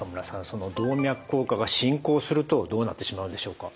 その動脈硬化が進行するとどうなってしまうんでしょうか？